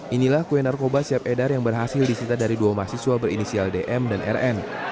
inilah kue narkoba siap edar yang berhasil disita dari dua mahasiswa berinisial dm dan rn